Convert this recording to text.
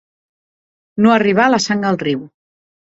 No arribar la sang al riu.